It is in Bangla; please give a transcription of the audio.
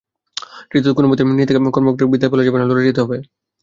তৃতীয়ত, কোনোমতেই নিজে থেকে কর্মক্ষেত্রকে বিদায় বলা যাবে না, লড়ে যেতে হবে।